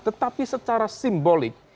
tetapi secara simbolik